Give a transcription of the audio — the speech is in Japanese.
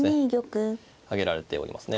挙げられておりますね。